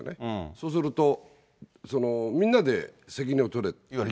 そうすると、みんなで責任を取れ。